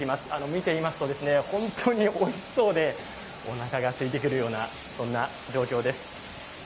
見ていますと本当においしそうでおなかがすいてくるようなそんな状況です。